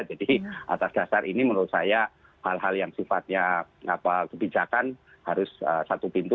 jadi atas dasar ini menurut saya hal hal yang sifatnya kebijakan harus satu pintu